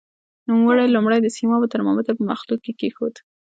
نوموړی لومړی د سیمابو ترمامتر په مخلوط کې کېښود.